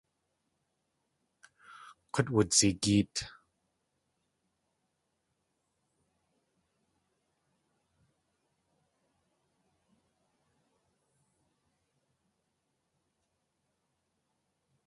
K̲ut wudzigeet.